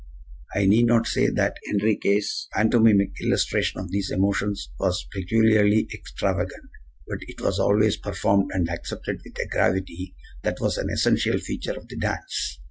I need not say that Enriquez' pantomimic illustration of these emotions was peculiarly extravagant; but it was always performed and accepted with a gravity that was an essential feature of the dance.